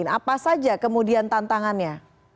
apa saja kemudian tantangannya